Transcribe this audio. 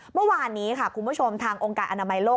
เมื่อวานนี้ค่ะคุณผู้ชมทางองค์การอนามัยโลก